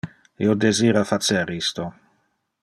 Io desira facer isto.